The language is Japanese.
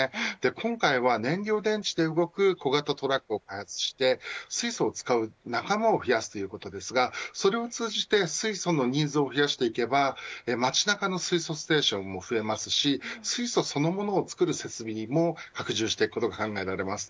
今回は燃料電池で動く小型トラックを開発して水素を使う仲間を増やすということですがそれを通じて水素のニーズを増やしていけば街なかの水素ステーションも増えますし水素そのものを作る設備も拡充していくことが考えられます。